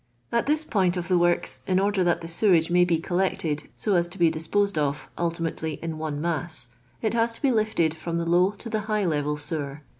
At this point of the works, in order that the sewage may be collected, so as to be disposed of ultimately in one masa, it has to be lifted from the low to the high level sewer.